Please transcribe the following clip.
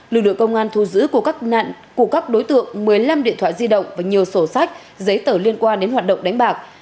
lực lượng công an thu giữ của các đối tượng một mươi năm điện thoại di động và nhiều sổ sách giấy tờ liên quan đến hoạt động đánh bạc